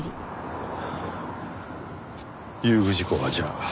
遊具事故はじゃあ。